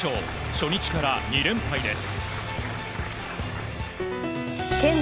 初日から２連敗です。